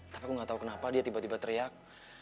tapi gue gak tau kenapa dia tiba tiba teriak